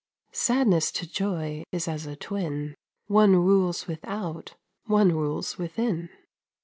Sadness to Joy is as a twin, One rules without, one rules within.